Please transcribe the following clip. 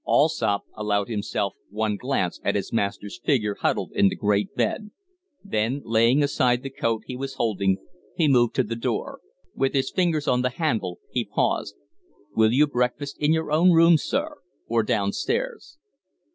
Allsopp allowed himself one glance at his master's figure huddled in the great bed; then, laying aside the coat he was holding, he moved to the door. With his: fingers on the handle he paused. "Will you breakfast in your own room, sir or down stairs?"